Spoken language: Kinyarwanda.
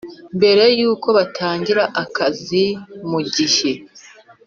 Mbere y uko batangira akazi mu gihe